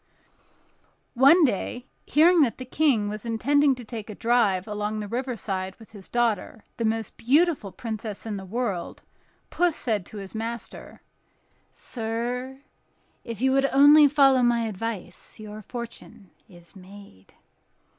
One day, hearing that the King was intending to take a drive along the riverside with his daughter, the most beautiful princess in the world, Puss said to his master: "Sir, if you would only follow my advice, your fortune is made."